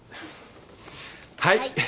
はい。